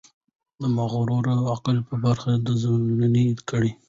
د مغرور عقل په برخه زولنې کړي.